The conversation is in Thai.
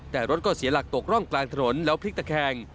แต่รถก็เสียหลักตกร่องกลางถนนแล้วพลิกตะแคง